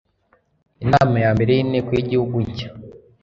inama ya mbere y inteko y igihugu nshya